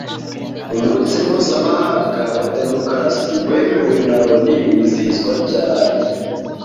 Umunsi mpuzamahanga wa demokarasi, wemewe na Loni wizihizwa ryari